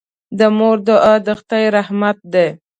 د مور دعا د خدای رحمت دی.